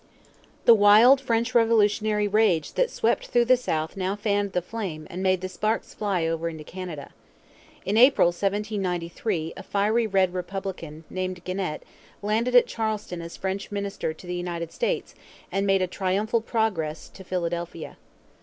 The wild French Revolutionary rage that swept through the South now fanned the flame and made the sparks fly over into Canada. In April 1793 a fiery Red Republican, named Genet, landed at Charleston as French minister to the United States and made a triumphal progress to Philadelphia.